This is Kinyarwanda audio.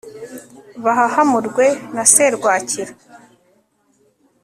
bahahamurwe na serwakira